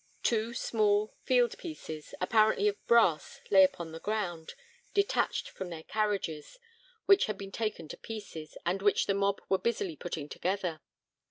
Two small field pieces, apparently of brass, lay upon the ground, detached from their carriages, which had been taken to pieces, and which the mob were busily putting together.